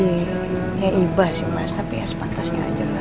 iya iya iba sih mas tapi ya sepantasnya aja lah